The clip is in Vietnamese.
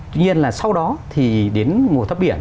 tuy nhiên là sau đó thì đến mùa thấp biển